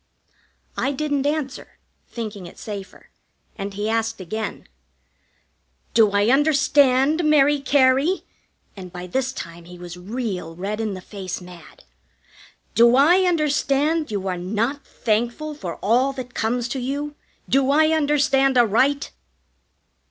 I didn't answer, thinking it safer, and he asked again: "Do I understand, Mary Cary" and by this time he was real red in the face mad "do I understand you are not thankful for all that comes to you? Do I understand aright?"